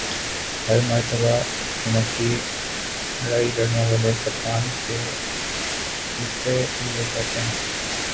ہر مرتبہ چومکھی لڑائی لڑنے والے کپتان کے لتے لیے جاتے ہیں ۔